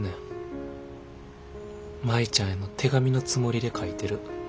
舞ちゃんへの手紙のつもりで書いてる。